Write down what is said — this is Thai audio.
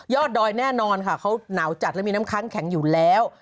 ดอยแน่นอนค่ะเขาหนาวจัดและมีน้ำค้างแข็งอยู่แล้ว